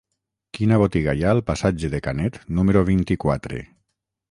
Quina botiga hi ha al passatge de Canet número vint-i-quatre?